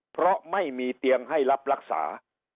เพราะไม่มีเตียงให้รับรักษา